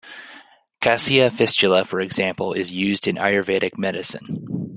"Cassia fistula", for example, is used in Ayurvedic medicine.